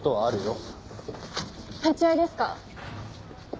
立ち会いですか？